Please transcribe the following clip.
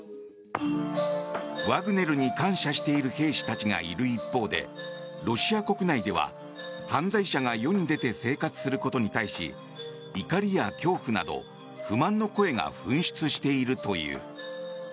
ワグネルに感謝している兵士たちがいる一方でロシア国内では、犯罪者が世に出て生活することに対し怒りや恐怖など不満の声が噴出しているという。